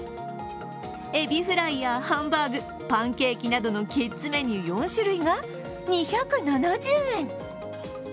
えびフライやハンバーグ、パンケーキなどのキッズメニュー４種類が２７０円。